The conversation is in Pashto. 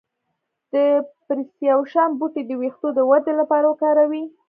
د پرسیاوشان بوټی د ویښتو د ودې لپاره وکاروئ